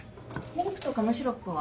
ミルクとガムシロップは？